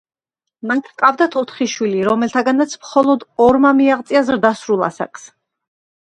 მათ ჰყავდათ ოთხი შვილი, რომელთაგანაც მხოლოდ ორმა მიაღწია ზრდასრულ ასაკს.